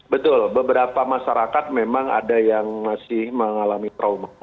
betul beberapa masyarakat memang ada yang masih mengalami trauma